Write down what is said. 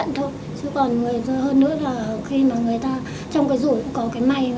nếu không may